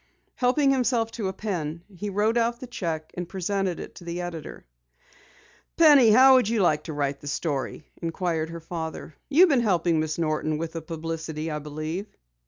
Helping himself to a pen, he wrote out the cheque and presented it to the editor. "Penny, how would you like to write the story?" inquired her father. "You've been helping Miss Norton with the publicity, I believe."